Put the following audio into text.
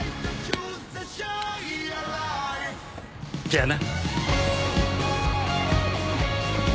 じゃあな。